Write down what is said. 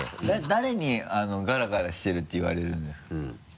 誰にガラガラしてるって言われるんですか？